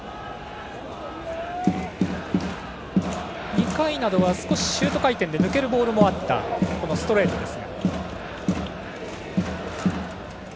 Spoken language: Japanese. ２回などは、少しシュート回転で抜けるボールもあったストレートです。